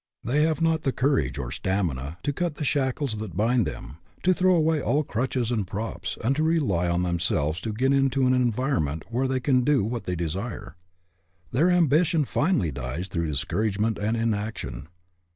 They have not the courage or stamina to cut the shackles that bind them, to throw away, all crutches and props, and to rely on them selves to get into an environment where they can do what they desire. Their ambition finally dies through discouragement and in action.